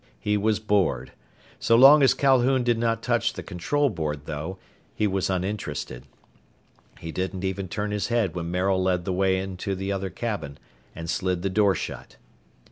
He was bored. So long as Calhoun did not touch the control board, though, he was uninterested. He didn't even turn his head when Maril led the way into the other cabin and slid the door shut.